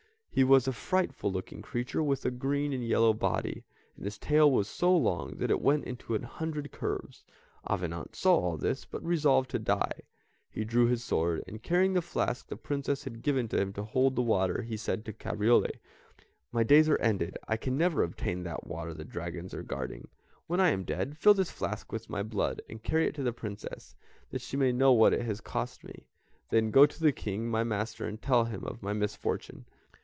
He was a frightful looking creature with a green and yellow body, and his tail was so long that it went into a hundred curves. Avenant saw all this, but resolved to die, he drew his sword, and, carrying the flask the Princess had given to him to hold the water, he said to Cabriole: "My days are ended, I can never obtain that water the dragons are guarding; when I am dead, fill this flask with my blood and carry it to the Princess, that she may know what it has cost me, then go to the King, my master, and tell him of my misfortune."